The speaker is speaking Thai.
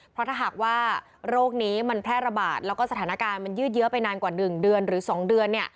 เพราะถ้าหากว่าโรคนี้มันแพร่ระบาดแล้วก็สถานการณ์มันยืดเยอะไปนานกว่า๑เดือนหรือ๒เดือน